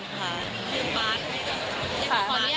คือป๊าคค่ะ